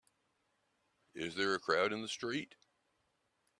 Is there a crowd in the street?